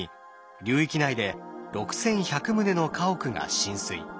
流域内で６，１００棟の家屋が浸水。